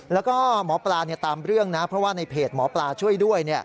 แล้วก็หมอปลาตามเรื่องนะเพราะว่าในเพจหมอปลาช่วยด้วย